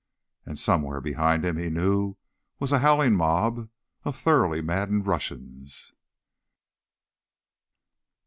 And, somewhere behind him, he knew, was a howling mob of thoroughly maddened Russians.